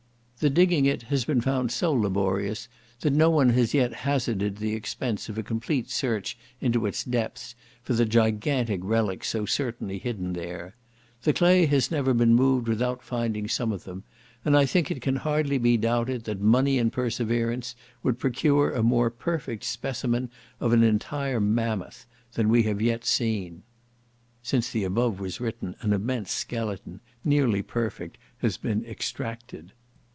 The digging it has been found so laborious that no one has yet hazarded the expense of a complete search into its depths for the gigantic relics so certainly hidden there. The clay has never been moved without finding some of them; and I think it can hardly be doubted that money and perseverance would procure a more perfect specimen of an entire mammoth than we have yet seen. Since the above was written an immense skeleton, nearly perfect, has been extracted.